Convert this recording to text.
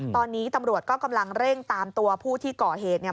ตอนนี้ตำรวจก็กำลังเร่งตามตัวผู้ที่ก่อเหตุเนี่ย